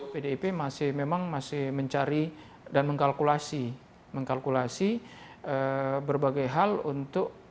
pdip masih mencari dan mengkalkulasi berbagai hal untuk